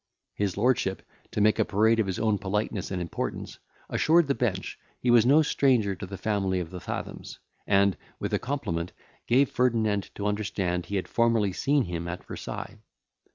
His lordship, to make a parade of his own politeness and importance, assured the bench, he was no stranger to the family of the Fathoms, and, with a compliment, gave Ferdinand to understand he had formerly seen him at Versailles.